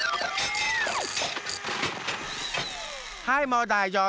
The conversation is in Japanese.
ハイもうだいじょうぶ！